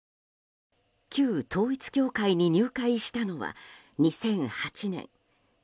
旧統一教会に入会したのは２００８年。